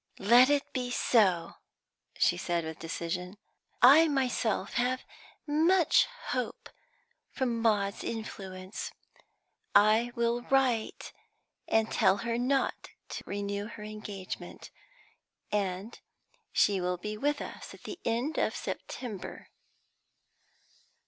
"Let it be so," she said with decision. "I myself have much hope from Maud's influence. I will write and tell her not to renew her engagement, and she will be with us at the end of September."